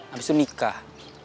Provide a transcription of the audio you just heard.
abis itu nikah